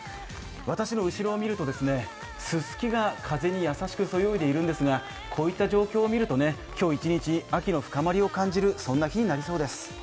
私の後ろを見るとすすきが優しく風にそよいでいますがこういった状況を見ると今日一日秋の深まりを感じる、そんな日になりそうです。